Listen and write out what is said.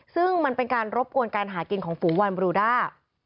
ซึ่งมันเป็นการรบกวนการหากินของฝูวานบรูด้า